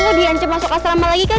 kalau diancam masuk asrama lagi kan